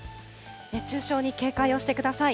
熱中症に警戒をしてください。